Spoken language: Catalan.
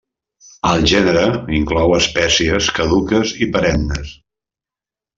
El gènere inclou espècies caduques i perennes.